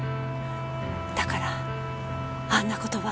だからあんな言葉を。